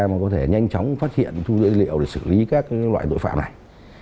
và có thể nhanh chóng phát hiện thu dưỡng liệu để xử lý các loại tội phạm này